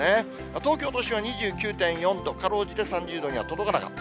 東京都心は２９．４度、かろうじて３０度には届かなかった。